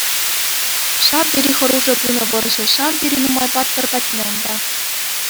Ҫав тери хӑрушӑ пынӑ вӑрҫӑ, ҫав тери нумай паттӑр пӗтнӗ унта.